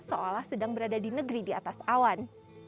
seolah sedang berada di negeri di atas awan